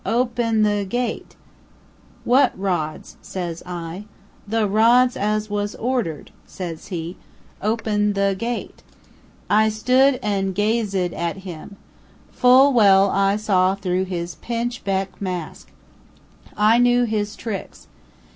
Open the gate.' 'What rods?' says I. 'The rods as was ordered,' says he, 'open the gate.' I stood and gaz ed at him. Full well I saw through his pinch beck mask. I knew his tricks.